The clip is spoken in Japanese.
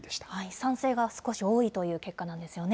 賛成が少し多いという結果なんですよね。